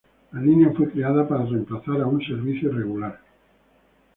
La línea fue creada para reemplazar a un servicio irregular.